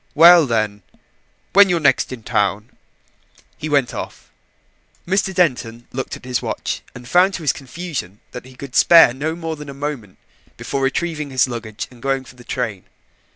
Well, then, when you're next in town." He went off. Mr. Denton looked at his watch and found to his confusion that he could spare no more than a moment before retrieving his luggage and going for the train.